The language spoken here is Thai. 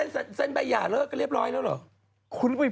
แสนใบหย่าก็เรียบร้อยแล้วเหรอ